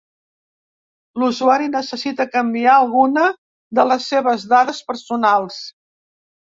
L'usuari necessita canviar alguna de les seves dades personals.